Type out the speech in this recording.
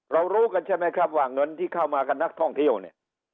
รู้กันใช่ไหมครับว่าเงินที่เข้ามากับนักท่องเที่ยวเนี่ย